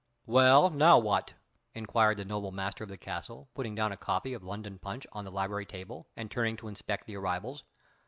"Well, now what?" inquired the noble master of the castle, putting down a copy of London Punch on the library table, and turning to inspect the arrivals.